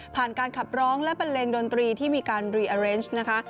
ผ่านการขับร้องและปันเลงดนตรีที่มีการรีเออร์เรนจนะคะ